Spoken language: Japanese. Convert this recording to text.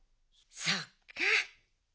そっか。